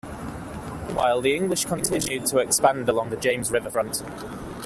Meanwhile, the English continued to expand along the James riverfront.